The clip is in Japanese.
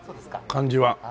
感じは。